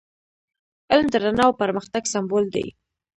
علم د رڼا او پرمختګ سمبول دی.